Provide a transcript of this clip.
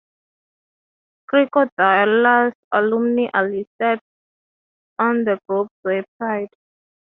Krokodiloes alumni are listed on the group's website.